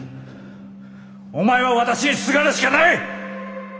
お前は私にすがるしかない！